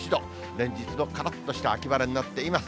連日のからっとした秋晴れになっています。